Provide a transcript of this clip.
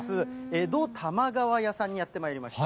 江戸玉川屋さんにやってまいりました。